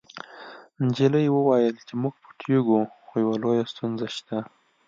نجلۍ وویل چې موږ پټیږو خو یوه لویه ستونزه شته